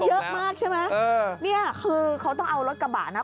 เยอะมากใช่ไหมเออเนี่ยคือเขาต้องเอารถกระบะนะ